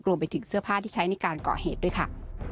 รวมถึงเสื้อผ้าที่ใช้ในการก่อเหตุด้วยค่ะ